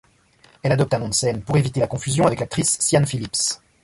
Elle adopte un nom de scène pour éviter la confusion avec l'actrice Siân Phillips.